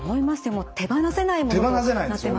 もう手放せない物になってますよね。